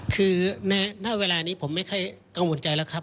คือณเวลานี้ผมไม่ค่อยกังวลใจแล้วครับ